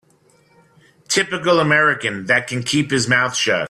Typical American that can keep his mouth shut.